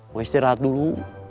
mau istirahat dulu